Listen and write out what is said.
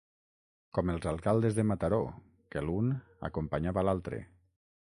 Com els alcaldes de Mataró, que l'un acompanyava l'altre.